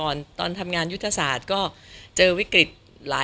ตรงที่คุณหญิงจะอยู่ตรงไปจากนี้ล่ะค่ะ